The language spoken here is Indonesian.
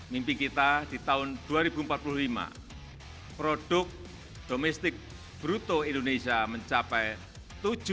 mimpi kita di tahun dua ribu empat puluh lima produk domestik bruto indonesia mencapai tujuan